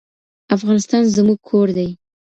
افغانستان زموږ کور دی.